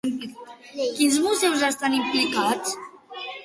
Quins museus estan implicats?